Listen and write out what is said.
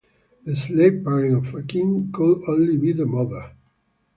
The slave parent of a king could only be the mother.